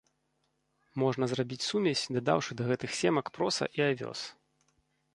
Можна зрабіць сумесь, дадаўшы да гэтых семак проса і авёс.